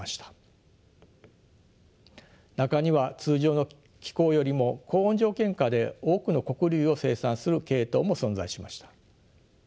中には通常の気候よりも高温条件下で多くの穀粒を生産する系統も存在しました。